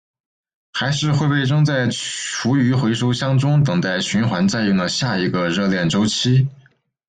还是会被扔在厨余回收箱中等待循环再用的下一个热恋周期？